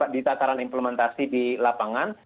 di tataran implementasi di lapangan